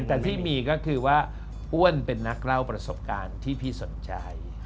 แต่พี่มีก็คือว่าอ้วนเป็นนักเล่าประสบการณ์ที่พี่สนใจ